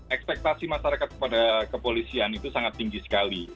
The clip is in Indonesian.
ekspektasi masyarakat kepada kepolisian itu sangat tinggi sekali